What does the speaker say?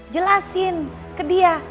jelasin ke dia